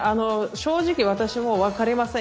正直、私も分かりません。